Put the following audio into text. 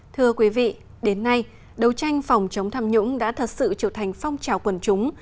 thưa quý vị đến nay đấu tranh phòng chống tham nhũng đã thật sự trở thành phong trào quần chúng